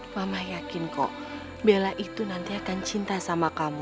mama yakin kok bella itu nanti akan cinta sama kamu